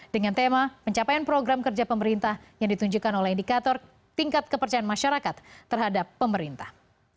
dengan tema pencapaian program kerja pemerintah yang ditunjukkan oleh indikator tingkat kepercayaan masyarakat terhadap pemerintah